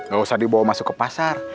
gak usah dibawa masuk ke pasar